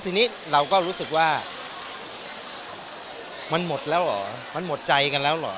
ทีนี้เราก็รู้สึกว่ามันหมดแล้วเหรอมันหมดใจกันแล้วเหรอ